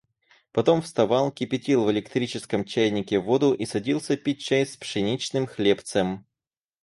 Потом вставал, кипятил в электрическом чайнике воду и садился пить чай с пшеничным хлебцем.